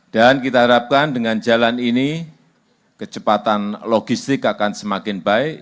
dan kita harapkan dengan jalan ini kecepatan logistik akan semakin baik